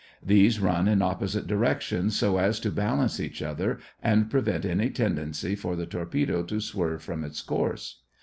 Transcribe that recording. These run in opposite directions, so as to balance each other and prevent any tendency for the torpedo to swerve from its course.